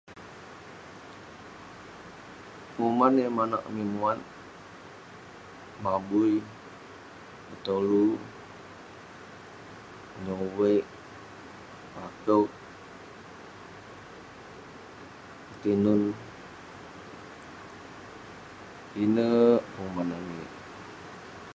Penguman yah manouk amik muat ; mabui, betolu, onyog uveik, pakouk, ketinun. Pinek penguman amik.